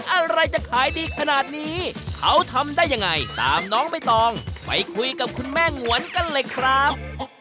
อะไรจะขายดีขนาดนี้เขาทำได้ยังไงตามน้องใบตองไปคุยกับคุณแม่งวนกันเลยครับ